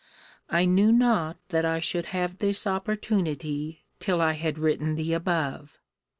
I knew not that I should have this opportunity till I had written the above.